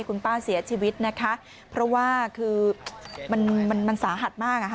คุณป้าเสียชีวิตนะคะเพราะว่ามันสาหัดมาก